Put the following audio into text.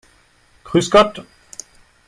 Grüß Gott!